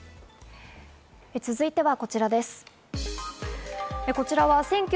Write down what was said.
続いてはこちらです。